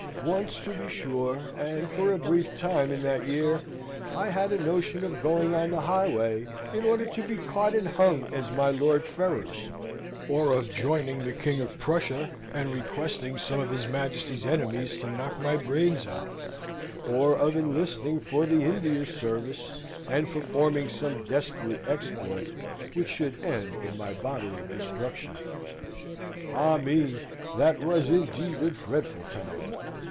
Once, to be sure, and for a brief time in that year, I had a notion of going on the highway in order to be caught and hung as my Lord Ferrers: or of joining the King of Prussia, and requesting some of his Majesty's enemies to knock my brains out; or of enlisting for the India service, and performing some desperate exploit which should end in my bodily destruction. Ah me! that was indeed a dreadful time!